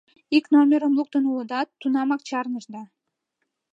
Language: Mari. «Ик номерым луктын улыдат, тунамак чарнышда.